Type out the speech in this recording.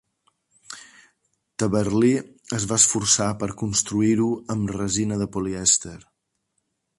Tabarly es va esforçar per reconstruir-ho amb resina de polièster.